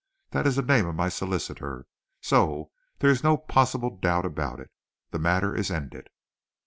_' That is the name of my solicitor, so there is no possible doubt about it. The matter is ended."